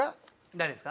誰ですか？